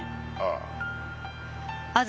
ああ。